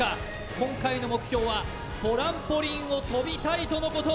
今回の目標はトランポリンを跳びたいとのこと